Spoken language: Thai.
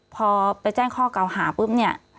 พอไปแจ้งข้อเก่าหาปุ๊บเนี่ย